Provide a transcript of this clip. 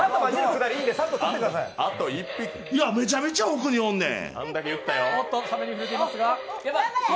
めちゃめちゃ奥におんねん。